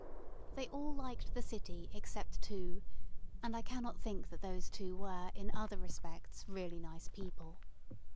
They all liked the city except two, and I cannot think that those two were, in other respects, really nice people.